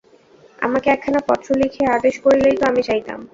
আমাকে একখানা পত্র লিখিয়া আদেশ করিলেই তো আমি যাইতাম!